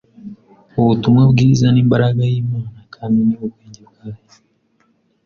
Ubutumwa bwiza ni imbaraga y’Imana kandi ni ubwenge bwayo.